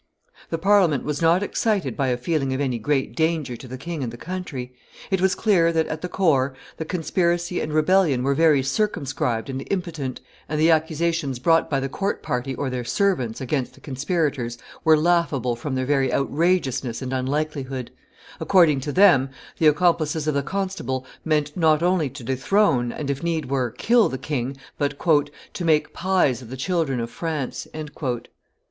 The Parliament was not excited by a feeling of any great danger to the king and the country; it was clear that, at the core, the conspiracy and rebellion were very circumscribed and impotent; and the accusations brought by the court party or their servants against the conspirators were laughable from their very outrageousness and unlikelihood; according to them, the accomplices of the constable meant not only to dethrone, and, if need were, kill the king, but "to make pies of the children of France."